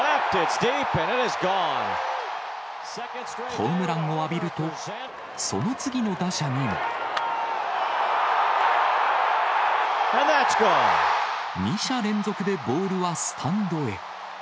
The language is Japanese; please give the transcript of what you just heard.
ホームランを浴びると、その次の打者にも。２者連続で、ボールはスタンドへ。